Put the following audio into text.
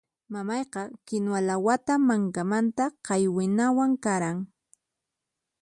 Mamayqa kinuwa lawata mankamanta qaywinawan qaran.